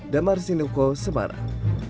damar sinuko semarang